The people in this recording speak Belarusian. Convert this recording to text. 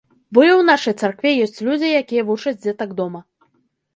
Бо і ў нашай царкве ёсць людзі, якія вучаць дзетак дома.